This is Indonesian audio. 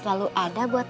mantis ada baos